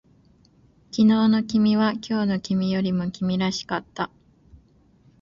昨日の君は今日の君よりも君らしかった